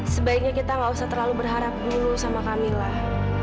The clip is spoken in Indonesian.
sebaiknya kita nggak usah terlalu berharap dulu sama kamilah